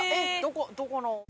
どこの？